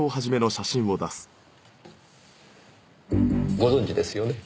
ご存じですよね？